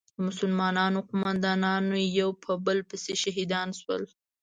د مسلمانانو قومندانان یو په بل پسې شهیدان شول.